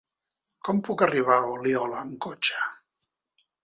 Com puc arribar a Oliola amb cotxe?